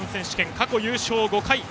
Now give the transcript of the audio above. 過去優勝５回。